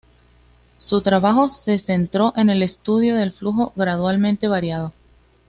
Su trabajo se centró en el estudio del flujo gradualmente variado.